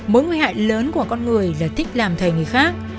mối nguy hại lớn của con người là thích làm thầy người khác